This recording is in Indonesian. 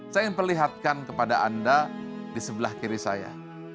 saya ingin perlihatkan kepada anda di sebelah kiri saya